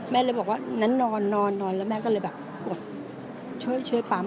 แม่เลยบอกว่านั้นนอนแล้วแม่ก็เลยแบบช่วยช่วยปั๊ม